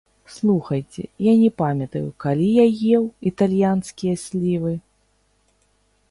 Слухайце, я не памятаю, калі я еў італьянскія слівы!